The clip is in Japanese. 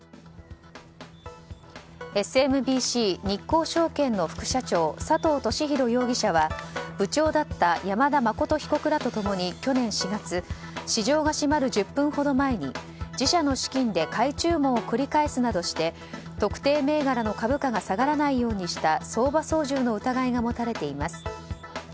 ＳＭＢＣ日興証券の副社長佐藤俊弘容疑者は部長だった山田誠被告らと共に去年４月、市場が閉まる１０分ほど前に自社の資金で買い注文を繰り返すなどして特定銘柄の株価が下がらないようにした相場操縦の疑いが持たれています。